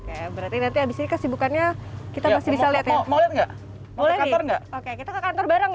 oke kita ke kantor bareng ya kak grace